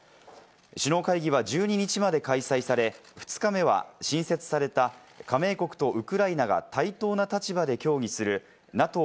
首脳会議は１２日まで開催され、２日目は新設された加盟国とウクライナが対等な立場で協議するＮＡＴＯ